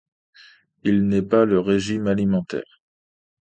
Il n'est pas le régime alimentaire.